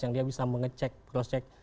yang dia bisa mengecek cross check